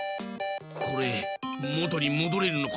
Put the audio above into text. これもとにもどれるのか？